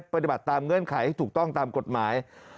ปฏิบัติตามเงื่อนไขให้ถูกต้องตามกฎหมาย